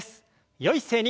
よい姿勢に。